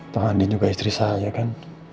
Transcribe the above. tengah adin juga istri saya kan